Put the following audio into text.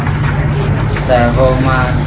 ก็จะก่อนผมแรก